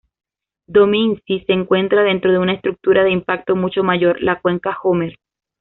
Dominici se encuentra dentro de una estructura de impacto mucho mayor, la cuenca Homer.